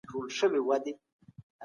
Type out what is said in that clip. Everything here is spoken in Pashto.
حضرت عمر بن خطاب په خوني کي عبادت کاوه.